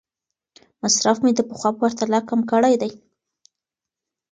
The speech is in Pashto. مصرف مې د پخوا په پرتله کم کړی دی.